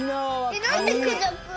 えっなんでクジャク？